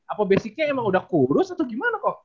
apa basic nya udah kurus atau gimana kok